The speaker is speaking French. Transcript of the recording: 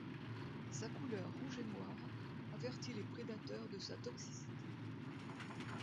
Sa couleur rouge et noir avertit les prédateurs de sa toxicité.